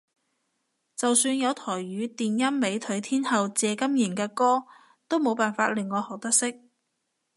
就算有台語電音美腿天后謝金燕嘅歌都冇辦法令我學得識